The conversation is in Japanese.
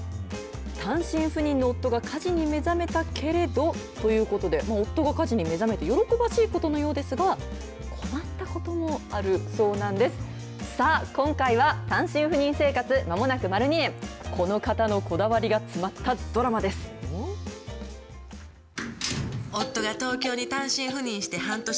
単身赴任の夫が家事に目覚めたけれど。ということで、夫が家事に目覚めて喜ばしいことのようですが、困ったこともあるそうなんです。さあ、今回は単身赴任生活、まもなく丸２年、この方のこだわりが夫が東京に単身赴任して、半年。